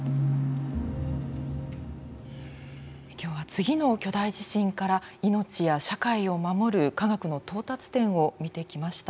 今日は次の巨大地震から命や社会を守る科学の到達点を見てきました。